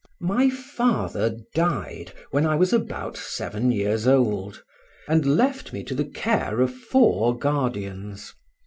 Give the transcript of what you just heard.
My father died when I was about seven years old, and left me to the care of four guardians.